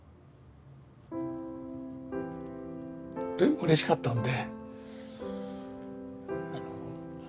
うれしかったんで。